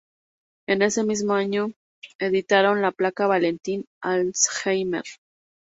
En ese mismo año, editaron la placa "Valentín Alzheimer".